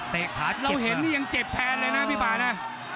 เราเห็นนี่ยังเจ็บแทนเลยนะพี่ป่านะ